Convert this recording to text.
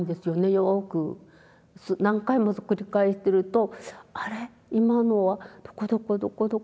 よく何回も繰り返してるとあれ今のはどこどこどこどこって言った。